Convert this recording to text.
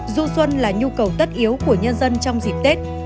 du xuân là nhu cầu tất yếu của nhân dân trong dịp tết